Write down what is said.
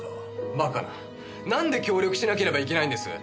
バカななんで協力しなければいけないんです？